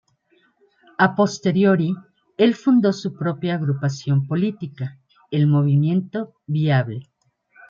A posteriori el fundo su propia agrupación política, el Movimiento Viable.